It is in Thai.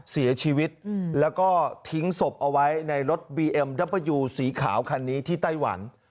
เสียชีวิตแล้วก็ทิ้งศพเอาไว้ในรถบีเอ็มดับเบอร์ยูสีขาวคันนี้ที่ไต้หวัน